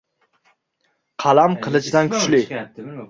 • Qalam qilichdan kuchli.